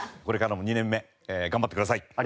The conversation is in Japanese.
これからも２年目頑張ってください。